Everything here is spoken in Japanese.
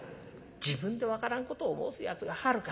「自分で分からんことを申すやつがあるか。